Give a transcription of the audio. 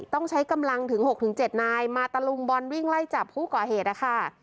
ต้องใช้กำลังถึงหกถึงเจ็ดนายมาตระลุงบอลวิ่งไล่จับผู้ก่อเหตุค่ะ